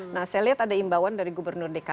nah saya lihat ada imbauan dari gubernur dki jakarta